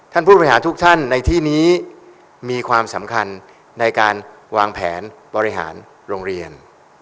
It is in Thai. ผู้บริหารทุกท่านในที่นี้มีความสำคัญในการวางแผนบริหารโรงเรียน